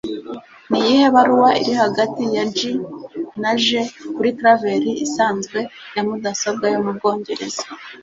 Niyihe baruwa iri hagati ya G na J kuri clavier isanzwe ya mudasobwa yo mu Bwongereza